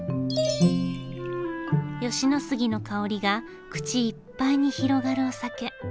吉野杉の香りが口いっぱいに広がるお酒。